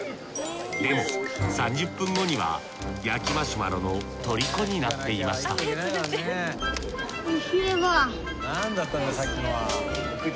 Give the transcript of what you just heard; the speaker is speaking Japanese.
でも３０分後には焼きマシュマロの虜になっていました何だったんださっきのは。